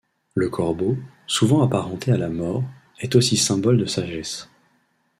Le corbeau, souvent apparenté à la mort, est aussi symbole de sagesse.